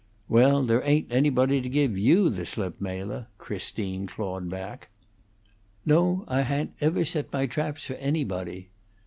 "Well, there ain't anybody to give you the slip, Mela," Christine clawed back. "No; I ha'n't ever set my traps for anybody."